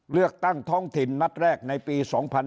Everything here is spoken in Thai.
เลือกตั้งท้องถิ่นนัดแรกในปี๒๕๕๙